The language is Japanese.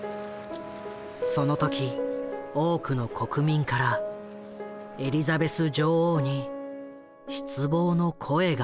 その時多くの国民からエリザベス女王に失望の声があがった。